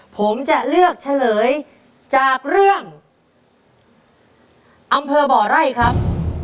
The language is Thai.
ผมจะเลือกเฉลยจากเรื่องอำเภอบ่อไร่ครับ